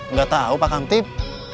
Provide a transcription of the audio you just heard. nggak tahu pak kang tip